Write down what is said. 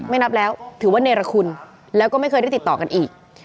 นับแล้วถือว่าเนรคุณแล้วก็ไม่เคยได้ติดต่อกันอีก